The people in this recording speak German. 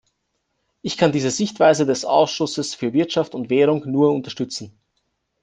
Ich kann diese Sichtweise des Ausschusses für Wirtschaft und Währung nur unterstützen.